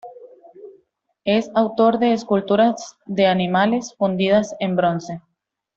Es autor de esculturas de animales fundidas en bronce.